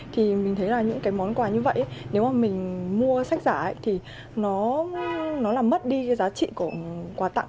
thì mình thấy là những cái món quà như vậy nếu mà mình mua sách giả thì nó làm mất đi cái giá trị của